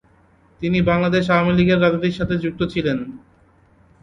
তিনি বাংলাদেশ আওয়ামী লীগের রাজনীতির সাথে যুক্ত ছিলেন।